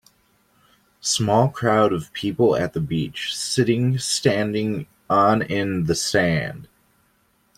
Small crowd of people at the beach, Sitting standing on in the sand.